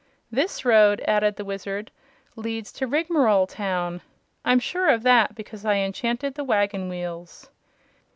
"This road," added the Wizard, "leads to Rigmarole Town. I'm sure of that because I enchanted the wagon wheels."